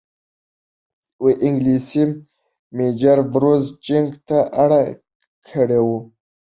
انګلیس میجر بروز جنگ ته اړ کړی وو.